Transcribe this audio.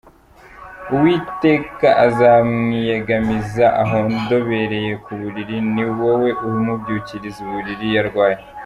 Uwiteka azamwiyegamiza ahondobereye ku buriri, Ni wowe umubyukiriza uburiri iyo arwaye